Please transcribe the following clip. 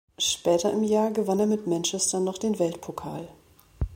Später im Jahr gewann er mit Manchester noch den Weltpokal.